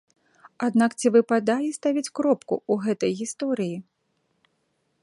Аднак ці выпадае ставіць кропку ў гэтай гісторыі?